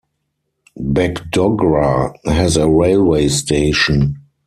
Bagdogra has a railway station.